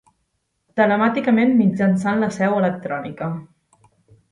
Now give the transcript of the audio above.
Telemàticament mitjançant la Seu Electrònica.